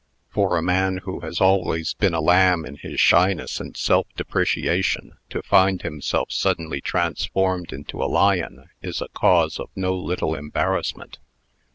For a man who has always been a lamb in his shyness and self depreciation, to find himself suddenly transformed into a lion, is a cause of no little embarrassment.